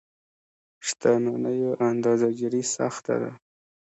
شتمنيو اندازه ګیري سخته ده.